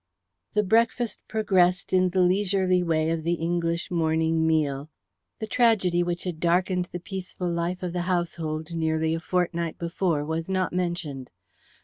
The breakfast progressed in the leisurely way of the English morning meal. The tragedy which had darkened the peaceful life of the household nearly a fortnight before was not mentioned.